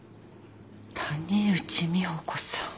谷内美保子さん。